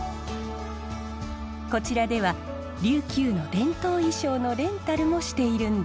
こちらでは琉球の伝統衣装のレンタルもしているんです。